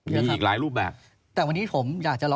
มีอีกหลายรูปแบบ